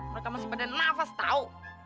mereka masih pada nafas tahu